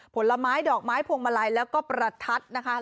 ผลไม้ดอกไม้พวงมาลัยแล้วก็ประทัดนะคะ